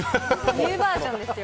ニューバージョンですよ。